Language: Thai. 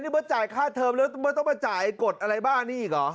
เบิร์ตจ่ายค่าเทอมแล้วเบิร์ตต้องมาจ่ายกฎอะไรบ้านนี้อีกเหรอ